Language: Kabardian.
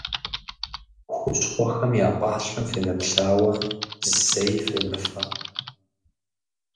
Хущхъуэхэм я пӏалъэм фемыплъауэ, зэи фемыфэ.